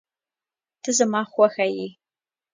زما ته خوښ یی